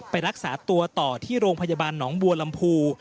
ไปรักษาตัวต่อที่โรงพยาบาลหนองบัวลำพู